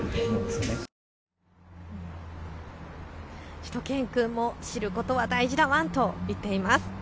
しゅと犬くんも知ることは大事だワンと言っています。